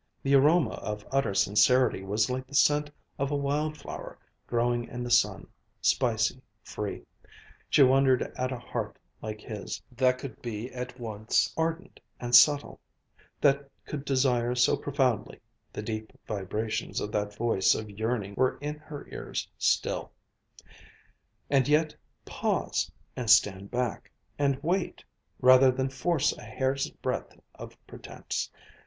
The aroma of utter sincerity was like the scent of a wildflower growing in the sun, spicy, free. She wondered at a heart like his that could be at once ardent and subtle, that could desire so profoundly (the deep vibrations of that voice of yearning were in her ears still) and yet pause, and stand back, and wait, rather than force a hair's breadth of pretense.